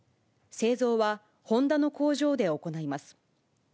製造はホンダの工場で行います。